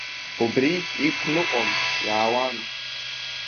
Убри иқәныҟәан иаауан.